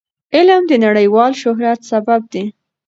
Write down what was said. علم د نړیوال شهرت سبب دی.